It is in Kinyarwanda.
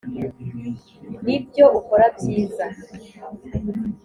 nibyo ukora byiza